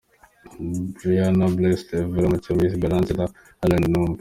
Briana Blessed, Ev Mucyo, Miss Bellange na Alain Numa.